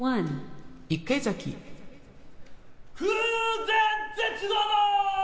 空前絶後の！